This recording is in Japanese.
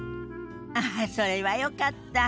ああそれはよかった。